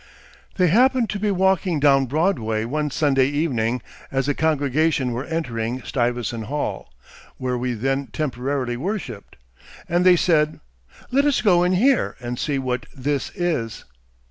They happened to be walking down Broadway one Sunday evening, as the congregation were entering Stuyvesant Hall, where we then temporarily worshiped, and they said: "'Let us go in here and see what this is.'